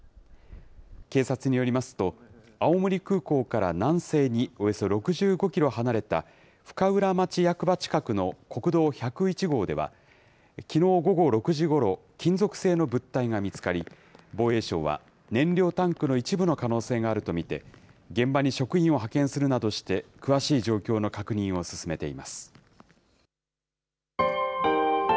警察によりますと、青森空港から南西におよそ６５キロ離れた深浦町役場近くの国道１０１号では、きのう午後６時ごろ、金属製の物体が見つかり、防衛省は、燃料タンクの一部の可能性があると見て、現場に職員を派遣するなどして詳しい状況の確認を進めています。